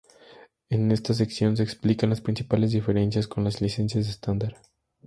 En esta sección se explican las principales diferencias con las licencias estándar.